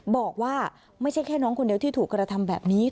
บอกว่าไม่ใช่แค่น้องคนเดียวที่ถูกกระทำแบบนี้